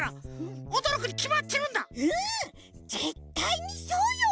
ぜったいにそうよ！